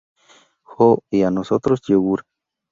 jo. y a nosotros yogur.